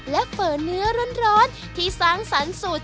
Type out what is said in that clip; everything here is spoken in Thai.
และเปิดเนื้อร้อนที่สร้างสรรค์สูตร